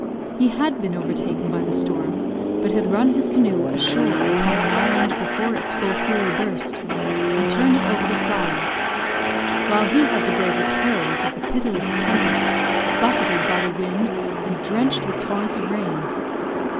He had been overtaken by the storm, but had run his canoe ashore upon an island before its full fury burst, and turned it over the flour; while he had to brave the terrors of the pitiless tempest buffeted by the wind, and drenched with torrents of rain.